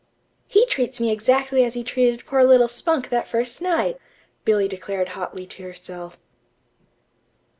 "He treats me exactly as he treated poor little Spunk that first night," Billy declared hotly to herself.